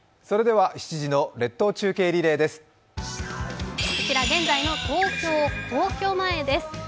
それでは７時の列島中継リレーです。